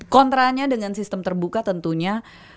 kontranya dengan sistem terbuka tentunya